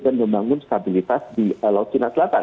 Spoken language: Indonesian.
dan membangun stabilitas di laut cina selatan